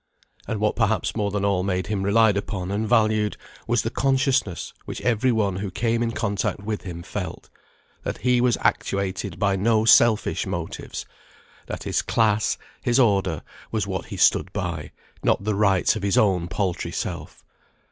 And what perhaps more than all made him relied upon and valued, was the consciousness which every one who came in contact with him felt, that he was actuated by no selfish motives; that his class, his order, was what he stood by, not the rights of his own paltry self.